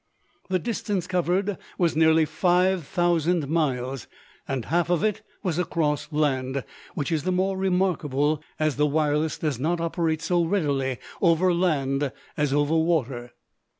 The distance covered was nearly five thousand miles, and half of it was across land, which is the more remarkable as the wireless does not operate so readily over land as over water.